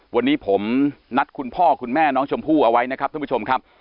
วันนี้ผมนัดคุณพ่อคุณแม่น้องชมพู่เอาไว้นะครับท่านผู้ชมครับ